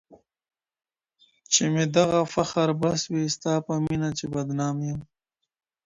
چي مي دغه فخر بس وي ستا په مینه چي بدنام یم